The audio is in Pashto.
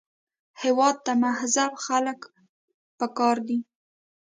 هېواد ته مهذب خلک پکار دي